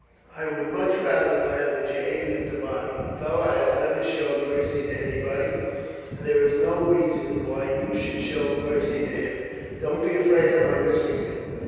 I would much rather, lad, that you aimed at the body. The fellow has never shown mercy to anyone, and there is no reason why you should show mercy to him." "Don't be afraid of my missing him."